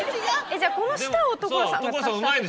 じゃあこの下を所さん。